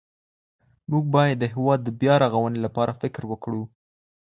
موږ بايد د هېواد د بيا رغونې لپاره فکر وکړو.